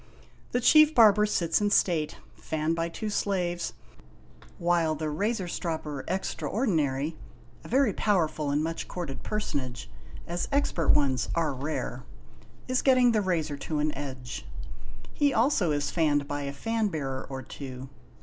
The Chief Barber sits in state, fanned by two slaves, while the Razor Stropper Extraordinary (a very powerful and much courted personage, as expert ones are rare) is getting the razor to an edge. He also is fanned by a fan bearer or two.